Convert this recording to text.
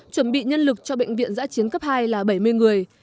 chuẩn bị nhân lực cho bệnh viện giã chiến cấp hai là bảy mươi người